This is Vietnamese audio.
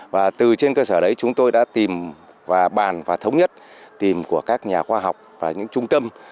và bàn và thống nhất tìm của các nhà khoa học và những trung tâm